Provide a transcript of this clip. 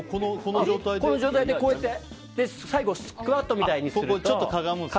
この状態で最後スクワットみたいにすると。